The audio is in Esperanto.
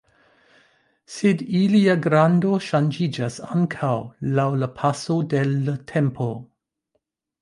Sed ilia grando ŝanĝiĝas ankaŭ laŭ la paso de l' tempo.